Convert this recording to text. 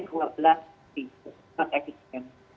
jadi ini adalah satu frekuensi yang sangat efisien